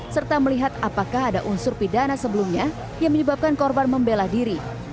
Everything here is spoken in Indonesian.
serta melihat apakah ada unsur pidana sebelumnya yang menyebabkan korban membela diri